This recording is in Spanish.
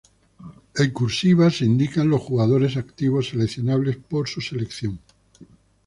En "cursiva" se indican los jugadores activos seleccionables por su selección.